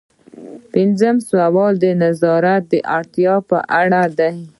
پنځوسم سوال د نظارت د اړتیا په اړه دی.